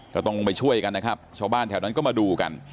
ก็ต้องลงไปช่วยกันนะครับชาวบ้านแถวนั้นก็มาดูกัน